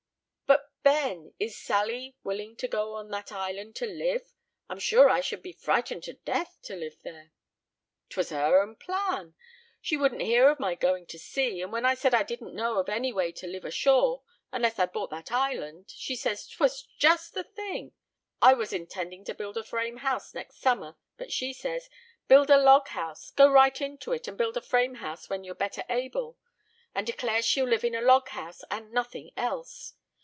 "But, Ben, is Sally willing to go on that island to live? I'm sure I should be frightened to death to live there." "'Twas her own plan. She wouldn't hear to my going to sea; and when I said I didn't know of any way to live ashore, unless I bought that island, she said 'twas just the thing. I was intending to build a frame house next summer; but she says, 'Build a log house, go right into it, and build a frame house when you're better able;' and declares she'll live in a log house, and nothing else.